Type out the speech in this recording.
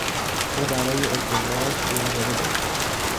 او برای ازدواج دلهره داشت.